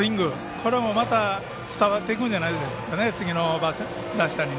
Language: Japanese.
これもまた、つながっていくんじゃないですかね、次の打者に。